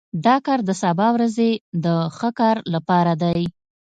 دا کار د سبا ورځې د ښه کار لپاره دی